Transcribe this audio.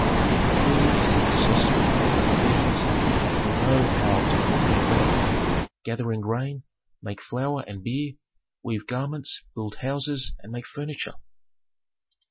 For three years he exercises power over beings who know how to cultivate land, gather in grain, make flour and beer, weave garments, build houses, and make furniture.